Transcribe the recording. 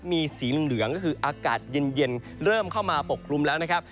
มีสีเหลืองก็คืออากาศเย็นเริ่มเข้ามาปกคลุมแล้วนะครับ